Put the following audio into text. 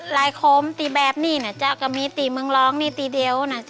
ลายโค้มตีแบบนี่นะจ๊ะก็มีตีเมืองร้องนี่ตีเดียวนะจ๊ะ